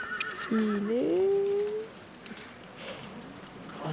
いいね。